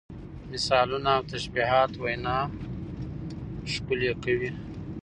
مثالونه او تشبیهات وینا ښکلې کوي.